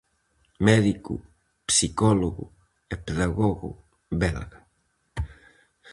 Médico, psicólogo e pedagogo belga.